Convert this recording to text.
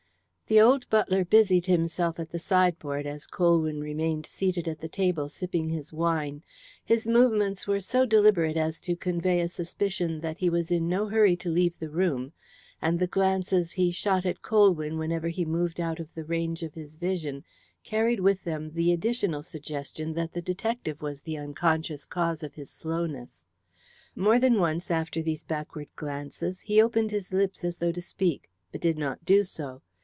The old butler busied himself at the sideboard as Colwyn remained seated at the table sipping his wine. His movements were so deliberate as to convey a suspicion that he was in no hurry to leave the room, and the glances he shot at Colwyn whenever he moved out of the range of his vision carried with them the additional suggestion that the detective was the unconscious cause of his slowness. More than once, after these backward glances, he opened his lips as though to speak, but did not do so.